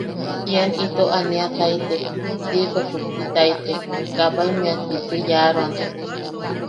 Ian ito aniataitek, tiiko chuktitaitek, kabaʼimmea tritriyaroan.